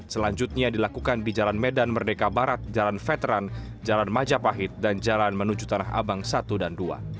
selanjutnya dilakukan di jalan medan merdeka barat jalan veteran jalan majapahit dan jalan menuju tanah abang satu dan dua